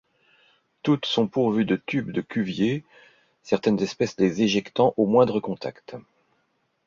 Toutes sont pourvues de tubes de Cuvier, certaines espèces les éjectant au moindre contact.